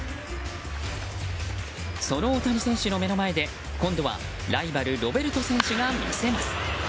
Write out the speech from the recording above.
その大谷選手の目の前で今度はライバルロベルト選手が見せます。